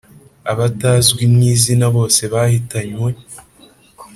abatazwi mu izina bose bahitanywe